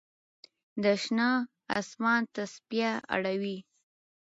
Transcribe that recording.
د شنه آسمان تسپې اړوي